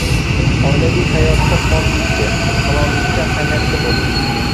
Oilaviy hayotda poklikka, halollikka ahamiyatli bo‘ling.